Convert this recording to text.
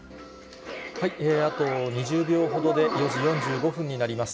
あと２０秒ほどで、４時４５分になります。